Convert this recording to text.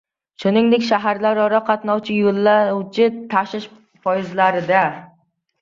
Shuningdek, shaharlararo qatnovchi yo‘lovchi tashish poezdlarida...